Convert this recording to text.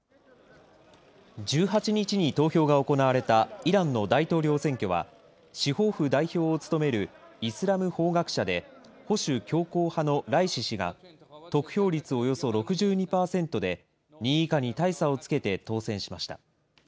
１８日に投票が行われたイランの大統領選挙は、司法府代表を務めるイスラム法学者で保守強硬派のライシ師が、得票率およそ６２％で、２位以下に大差をつけて当選しました。